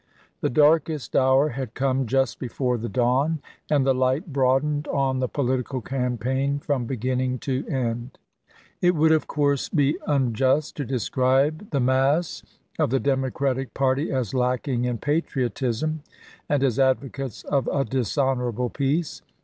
The darkest hour had come just before the dawn, and the light broadened on the political campaign from beginning to end.1 It would of course be unjust to describe the mass of the Democratic party as lacking in patriotism and as advocates of a dishonorable peace.